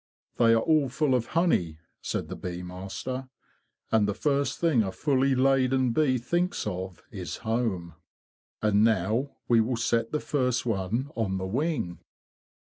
'* They are all full of honey,'' said the bee master, ''and the first thing a fully laden bee thinks of is home. And now we will set the first one on the wing."